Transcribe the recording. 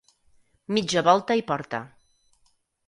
Mitja volta i porta.